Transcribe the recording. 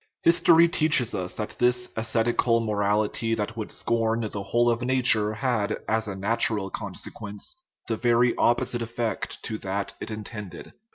History teaches us that this ascetical morality that would scorn the whole of nature had, as a natural con sequence, the very opposite effect to that it intended.